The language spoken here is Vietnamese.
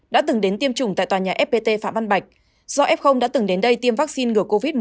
đã từng đến tiêm chủng tại tòa nhà fpt phạm văn bạch do f đã từng đến đây tiêm vaccine ngừa covid một mươi chín